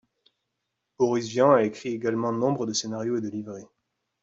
Boris Vian a écrit également nombre de scénarios et de livrets.